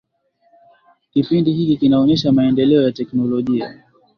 kipindi hiki kinaonyesha maendeleo ya teknolojia